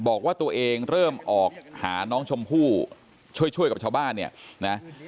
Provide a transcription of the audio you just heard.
บอกว่าตัวเองเริ่มออกหาน้องชมพู่ช่วยกับชาวบ้านเนี่ยนะ